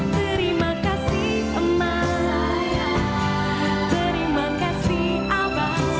terima kasih emak saya terima kasih abang